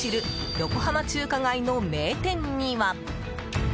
横浜中華街の名店には。